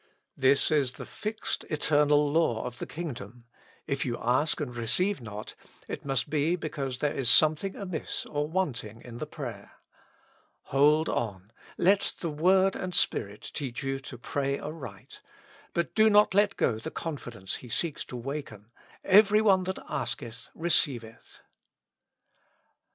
This is the fixed eternal law of the kingdom ; if you ask and receive not, it must be because there is something amiss or wanting in the prayer. Hold on ; let the Word and Spirit teach you to pray aright, but do not let go the confidence He seeks to waken : Every one that ask eth, receiveth.